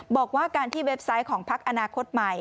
บอกว่าการที่เว็บไซต์ของพักอนาคตใหม่